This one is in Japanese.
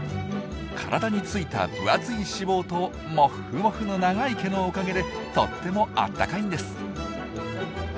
体についた分厚い脂肪とモッフモフの長い毛のおかげでとってもあったかいんです。